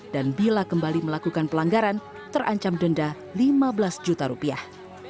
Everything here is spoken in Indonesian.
dan bila kembali melakukan pelanggaran terancam denda lima belas juta rupiah